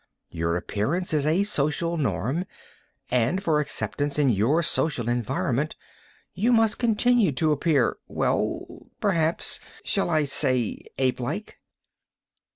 Your appearance is a social norm, and for acceptance in your social environment you must continue to appear, well, perhaps, shall I say apelike?"